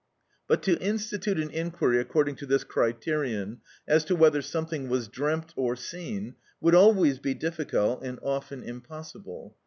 But to institute an inquiry according to this criterion, as to whether something was dreamt or seen, would always be difficult and often impossible.